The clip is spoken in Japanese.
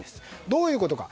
どういうことか。